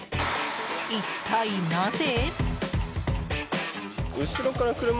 一体なぜ？